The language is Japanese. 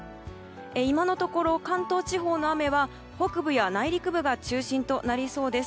今のところ、関東地方の雨は北部や内陸部が中心となりそうです。